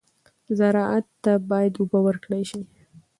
زراعت ته باید اوبه ورکړل شي.